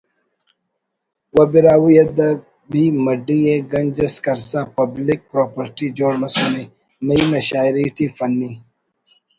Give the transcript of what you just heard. و براہوئی ادبی مڈی ءِ گنج اس کرسا(Public Property)جوڑ مسنے نعیم نا شاعری ٹی فنی